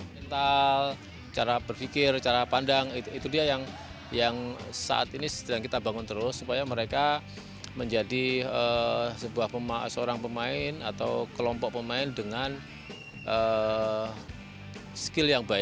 mental cara berpikir cara pandang itu dia yang saat ini sedang kita bangun terus supaya mereka menjadi seorang pemain atau kelompok pemain dengan skill yang baik